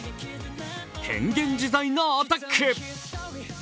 変幻自在なアタック。